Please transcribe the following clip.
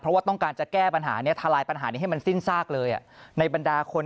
เพราะว่าต้องการจะแก้ปัญหานี้ทลายปัญหานี้ให้มันสิ้นซากเลยในบรรดาคน